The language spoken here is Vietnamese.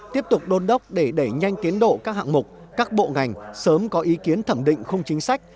tiếp tục đôn đốc để đẩy nhanh tiến độ các hạng mục các bộ ngành sớm có ý kiến thẩm định khung chính sách